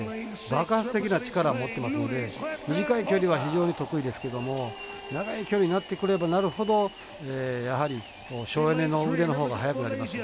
爆発的な力、持ってますので短い距離は非常に得意ですけども長い距離になってくればなるほどやはり、省エネの腕のほうが速くなります。